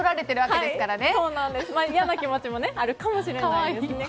嫌な気持ちもあるかもしれないですね。